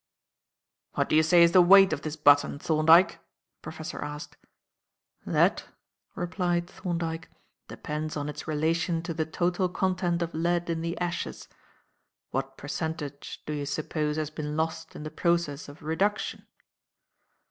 "What do you say is the weight of this button, Thorndyke?" the professor asked. "That," replied Thorndyke, "depends on its relation to the total content of lead in the ashes. What percentage do you suppose has been lost in the process of reduction?"